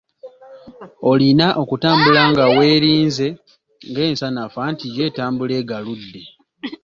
Olina okutambula nga weerinze ng'ensanafu, anti yo etambula egaludde.